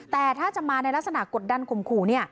แต่ถ้าจะมาในลักษณะกดดันข่มขู่